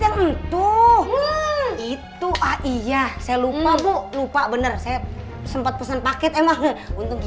yang entuh itu ah iya saya lupa bu lupa benar saya sempat pesen paket emang untuk